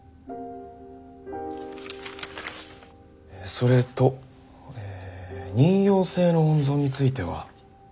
それとえ妊孕性の温存については。